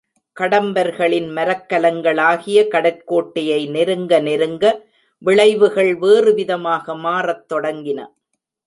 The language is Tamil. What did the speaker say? கடம்பர்களின் மரக்கலங்களாகிய கடற்கோட்டையை தெருங்க நெருங்க விளைவுகள் வேறுவிதமாக மாறத் தொடங்கின.